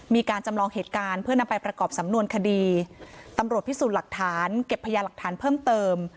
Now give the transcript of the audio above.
มีการจำลองเหตุการณ์เพื่อนำไปประกอบสำนวนคดีตำรวจพิสูจน์หลักฐานเก็บพยาหลักฐานเพิ่มเติม